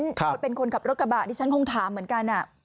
ตัวเนี่ยที่เป็นคนรถกระบะที่ฉันคงถามเหมือนกันนะ